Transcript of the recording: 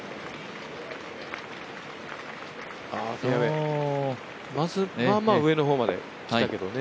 もう、まあまあ上の方まできたけどね。